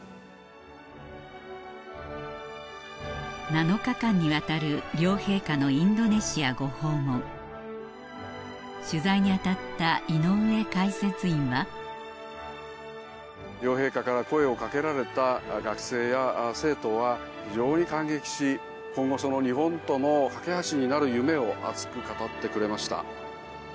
７日間にわたる両陛下のインドネシアご訪問取材に当たった井上解説員は両陛下から声をかけられた学生や生徒は非常に感激し今後日本との懸け橋になる夢を熱く語ってくれました。